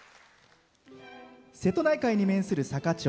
瀬戸内海に面する坂町。